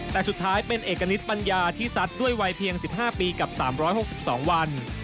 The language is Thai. แต่สุดท้ายเป็นเอกณิตปัญญาที่ซัดด้วยวัยเพียง๑๕ปีกับ๓๖๒วัน